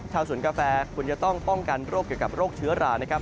ชาวสวนกาแฟควรจะต้องป้องกันโรคเกี่ยวกับโรคเชื้อรานะครับ